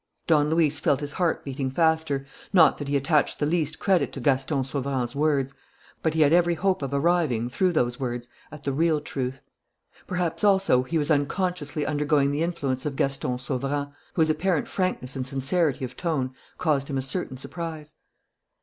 Don Luis felt his heart beating faster. Not that he attached the least credit to Gaston Sauverand's words; but he had every hope of arriving, through those words, at the real truth. Perhaps, also, he was unconsciously undergoing the influence of Gaston Sauverand, whose apparent frankness and sincerity of tone caused him a certain surprise.